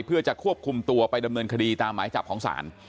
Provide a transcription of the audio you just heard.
เพื่อจะควบคุมตัวไปดำเนินคดีตามหมายจับของศาล